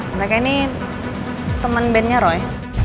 mereka ini teman bandnya roy